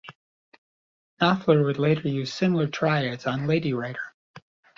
Knopfler would later use similar triads on "Lady Writer".